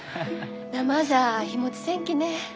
生じゃ日もちせんきね。